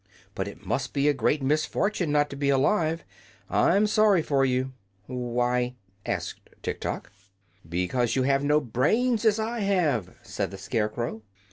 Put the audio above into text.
But it must be a great misfortune not to be alive. I'm sorry for you." "Why?" asked Tiktok. "Because you have no brains, as I have," said the Scarecrow.